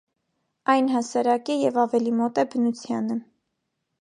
Այն հասարակ է և ավելի մոտ է բնությանը։